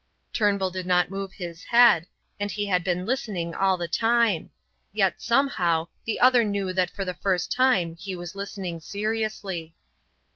Turnbull did not move his head, and he had been listening all the time; yet, somehow, the other knew that for the first time he was listening seriously.